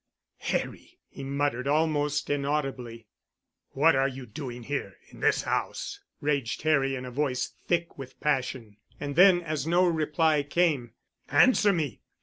"Harry!" he muttered, almost inaudibly. "What are you doing here—in this house?" raged Harry in a voice thick with passion. And then, as no reply came, "Answer me!